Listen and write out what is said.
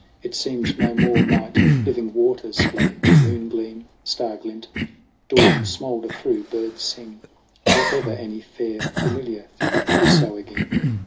It seemed no more might living waters flow, Moon gleam, star glint, dawn smoulder through, bird sing, Or ever any fair familiar thing Be so again.